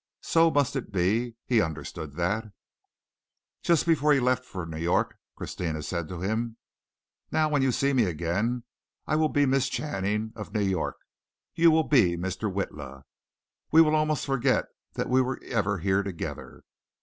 So must it be. He understood that. Just before he left for New York, Christina said to him: "Now, when you see me again I will be Miss Channing of New York. You will be Mr. Witla. We will almost forget that we were ever here together.